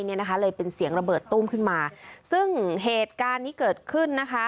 เนี่ยนะคะเลยเป็นเสียงระเบิดตุ้มขึ้นมาซึ่งเหตุการณ์นี้เกิดขึ้นนะคะ